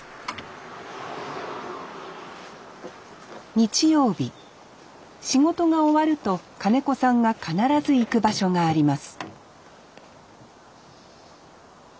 日曜日仕事が終わると金子さんが必ず行く場所があります